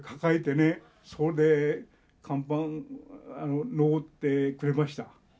それで甲板上ってくれました。